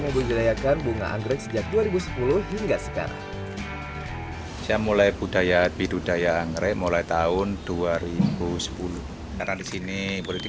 seperti di surabaya jakarta hingga bali